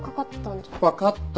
わかった。